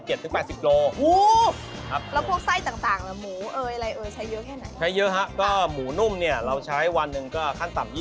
ใช่เยอะครับก็หมูหนุ่มเราใช้วันนึงก็ขั้นต่ำ